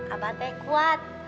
abah teh kuat